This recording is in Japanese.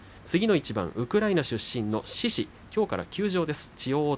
ウクライナ出身の獅司きょうから休場です。